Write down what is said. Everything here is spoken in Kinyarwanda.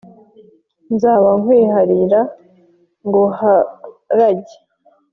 nzaba nkwiharira nguharage